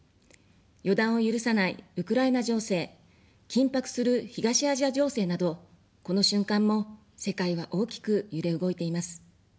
予断を許さないウクライナ情勢、緊迫する東アジア情勢など、この瞬間も世界は大きく揺れ動いています。